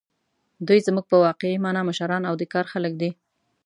دوی زموږ په واقعي مانا مشران او د کار خلک دي.